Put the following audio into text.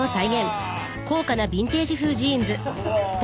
うわ。